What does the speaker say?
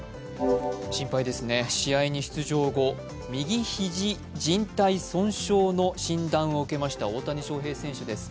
心配ですね、試合に出場後、右肘じん帯損傷の診断を受けました大谷翔平選手です。